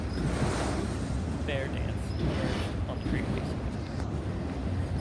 The Ute Bear Dance emerged on the Great Basin.